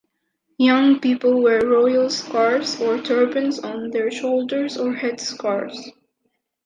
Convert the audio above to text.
Young people wear royal scarves or turbans on their shoulders or headscarves.